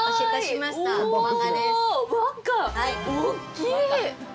おっきい！